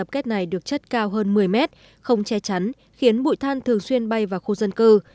khiến bụi than thường xuyên bay vào khu dân cư